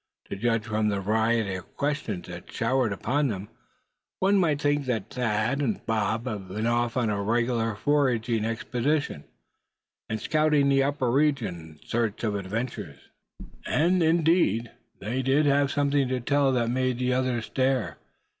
To judge from the variety of questions that showered upon them, one might think that Thad and Bob had been off on a regular foraging expedition, and scouring the upper regions in search of adventures. And indeed, they did have something to tell that made the others stare.